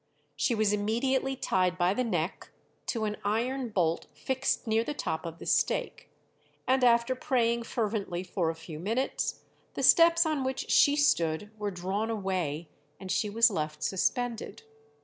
She was immediately tied by the neck to an iron bolt fixed near the top of the stake, and after praying fervently for a few minutes, the steps on which she stood were drawn away, and she was left suspended.